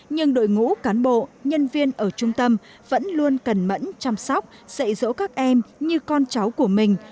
nhưng đội ngũ cán bộ nhân viên ở trung tâm vẫn luôn cẩn mẫn chăm sóc dạy dỗ các em như con cháu của mình